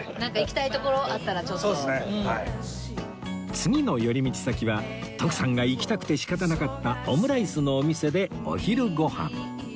次の寄り道先は徳さんが行きたくて仕方なかったオムライスのお店でお昼ごはん